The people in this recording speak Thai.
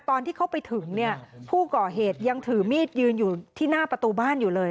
ตอนที่เขาไปถึงเนี่ยผู้ก่อเหตุยังถือมีดยืนอยู่ที่หน้าประตูบ้านอยู่เลย